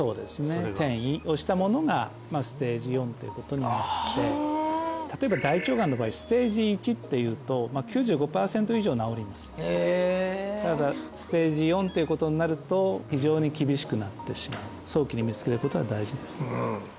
転移をしたものがステージ４ということになるので例えば大腸がんの場合ステージ１っていうと９５パーセント以上治りますへえただステージ４っていうことになると非常に厳しくなってしまう早期に見つけることが大事ですね